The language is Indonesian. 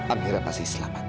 amira pasti akan selamat